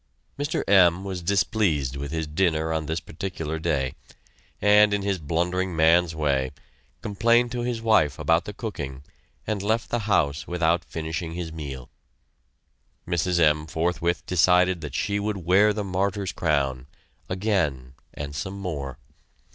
Mr. M. was displeased with his dinner on this particular day, and, in his blundering man's way, complained to his wife about the cooking and left the house without finishing his meal. Mrs. M. forthwith decided that she would wear the martyr's crown, again and some more!